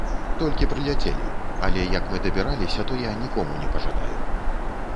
Толькі прыляцелі, але як мы дабіраліся, то я нікому не пажадаю.